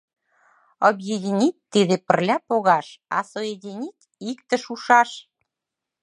— «Объединить» — тиде пырля погаш, а «соединить» — иктыш ушаш.